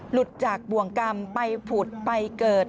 หลุดจากบ่วงกรรมไปผุดไปเกิด